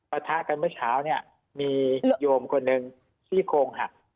ประทะกันเมื่อเช้าเนี่ยมีโยมคนหนึ่งซี่โครงหัก